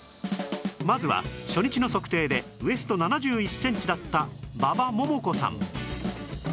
まずは初日の測定でウエスト７１センチだった馬場ももこさん